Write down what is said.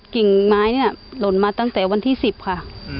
กิ่งไม้เนี่ยหล่นมาตั้งแต่วันที่๑๐ค่ะ